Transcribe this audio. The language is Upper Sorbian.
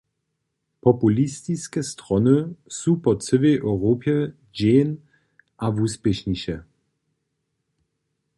Populistiske strony su po cyłej Europje dźeń a wuspěšniše.